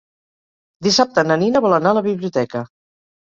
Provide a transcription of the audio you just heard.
Dissabte na Nina vol anar a la biblioteca.